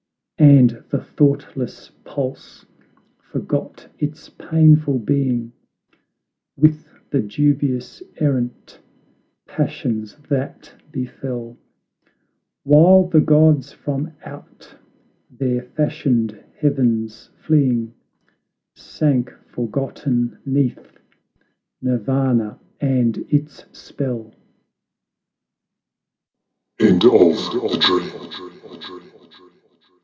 34 tbc Divine enchantment And the thoughtless pulse forgot its painful being, With the dubious errant passions that befell; While the gods from out their fashioned heavens fleeing, Sank forgotten 'neath Nirvana and its spell!